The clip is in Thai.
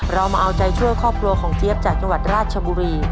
เรามาเอาใจช่วยครอบครัวของเจี๊ยบจากจังหวัดราชบุรี